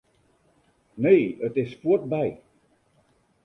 Nee, it is fuortby.